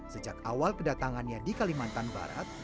sejak awal kedatangannya di kalimantan barat